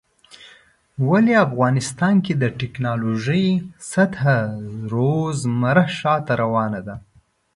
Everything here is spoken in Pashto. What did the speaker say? ولی افغانستان کې د ټيکنالوژۍ سطحه روزمره شاته روانه ده